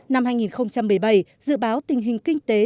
năm hai nghìn một mươi bảy dự báo tình hình kinh tế